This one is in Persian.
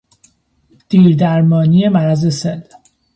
دیردرمانی مرض سل